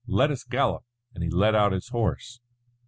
Let us gallop," and he let out his horse.